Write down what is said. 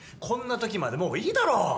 こんなときまでもういいだろ！